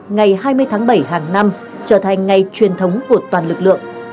ngày hai mươi tháng bảy hàng năm trở thành ngày truyền thống của toàn lực lượng